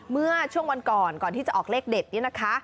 เมื่อช่วงวันก่อนก่อนที่จะออกเลขเด็ดนี่นะคะ